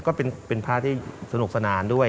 ก็เป็นพระที่สนุกสนานด้วย